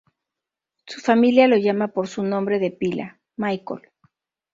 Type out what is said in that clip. Su familia lo llama por su nombre de pila, "Michael.